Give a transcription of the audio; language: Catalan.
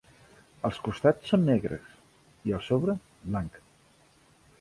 Els costats són negres, i el sobre, blanc.